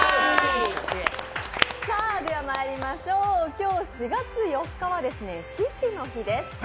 今日４月４日は獅子の日です。